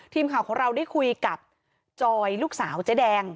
ทีมข่าวของเราได้คุยกับจอยลูกสาวเจ๊แดง